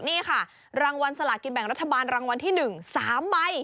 นี่ค่ะรางวัลสลากินแบ่งรัฐบาลรางวัลที่๑๓ใบ